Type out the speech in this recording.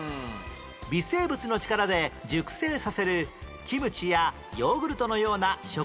微生物の力で熟成させるキムチやヨーグルトのような食品のジャンルが名前に付いた